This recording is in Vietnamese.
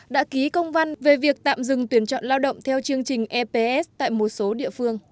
đã ký công văn về việc tạm dừng tuyển chọn lao động theo chương trình eps tại một số địa phương